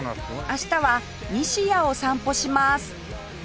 明日は西谷を散歩します